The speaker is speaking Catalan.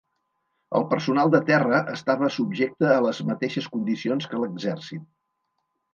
El personal de terra estava subjecte a les mateixes condicions que l'Exèrcit.